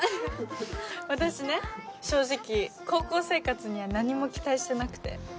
私ね正直高校生活には何も期待してなくて。